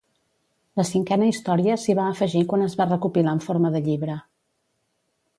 La cinquena història s'hi va afegir quan es va recopilar en forma de llibre.